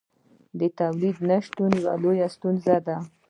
د تولید نشتون لویه ستونزه ده.